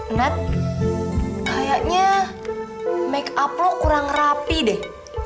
net kayaknya make up lo kurang rapi deh